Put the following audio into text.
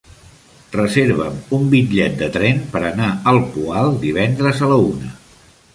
Reserva'm un bitllet de tren per anar al Poal divendres a la una.